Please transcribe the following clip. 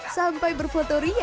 sampai berfoto ria